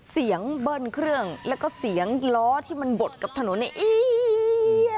เสียงเบิ้ลเครื่องแล้วก็เสียงล้อที่มันบดกับถนนนี้